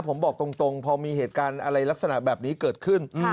ผมบอกตรงพอมีเหตุการณ์อะไรลักษณะแบบนี้เกิดขึ้น